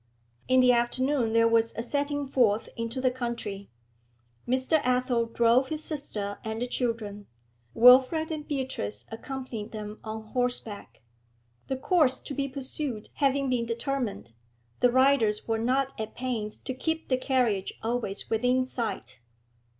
In the afternoon there was a setting forth into the country. Mr. Athel drove his sister and the children; Wilfrid and Beatrice accompanied them on horseback. The course to be pursued having been determined, the riders were not at pains to keep the carriage always within sight.